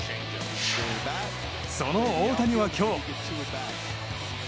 その大谷は今日。